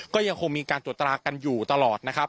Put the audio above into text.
ก็ยังคงมีการตรวจตรากันอยู่ตลอดนะครับ